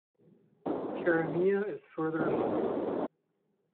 Karamea is further north.